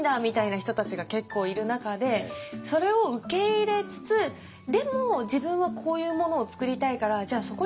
みたいな人たちが結構いる中でそれを受け入れつつでも自分はこういうものを作りたいからじゃあ